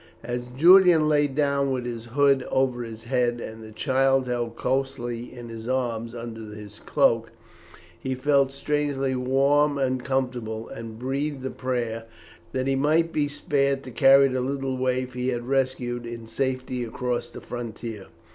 As Julian lay down with his hood over his head and the child held closely in his arms under his cloak, he felt strangely warm and comfortable, and breathed a prayer that he might be spared to carry the little waif he had rescued, in safety across the frontier.